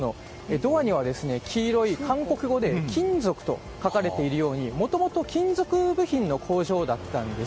ドアには黄色い韓国語で金属で書かれているようにもともと金属部品の工場だったんです。